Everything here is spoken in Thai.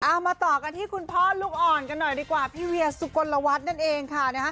มาต่อกันที่คุณพ่อลูกอ่อนกันหน่อยดีกว่าพี่เวียสุกลวัฒน์นั่นเองค่ะ